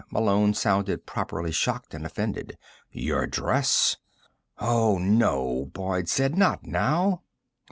Malone sounded properly shocked and offended. "Your dress!" "Oh, no," Boyd said. "Not now."